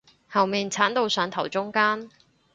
後面剷到上頭中間